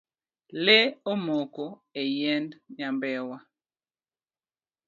Lee omoko e yiend nyambewa.